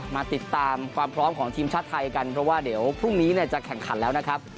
มาติดตามความพร้อมของทีมชาติไทยกันเพราะว่าเดี๋ยวพรุ่งนี้จะแข่งขันแล้วนะครับ